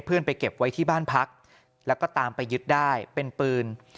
ไปเก็บไว้ที่บ้านพักแล้วก็ตามไปยึดได้เป็นปืน